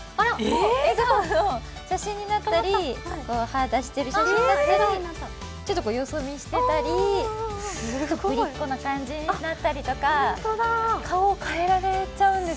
笑顔の写真になったり歯出してる写真だったり、ちょっとよそ見してたり、ぶりっ子な感じになったりとか顔を変えられちゃうんです。